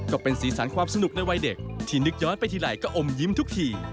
ก็เป็นสีสันความสนุกในวัยเด็กที่นึกย้อนไปทีไรก็อมยิ้มทุกที